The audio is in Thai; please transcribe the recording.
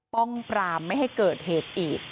ป้องปรามไม่ให้เกิดเหตุอีก